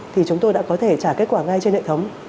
thì chúng tôi đã có thể trả kết quả ngay trên hệ thống